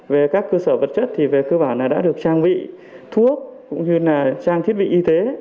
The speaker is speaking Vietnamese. về các cơ sở vật chất thì về cơ bản là đã được trang bị thuốc cũng như là trang thiết bị y tế